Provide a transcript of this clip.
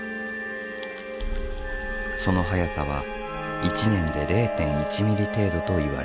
その速さは１年で０．１ｍｍ程度といわれている。